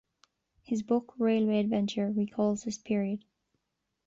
His book "Railway Adventure" recalls this period.